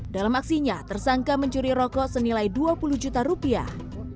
dalam aksinya tersangka mencuri rokok senilai dua puluh juta rupiah